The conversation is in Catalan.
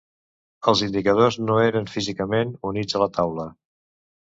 Els indicadors no eren físicament units a la taula.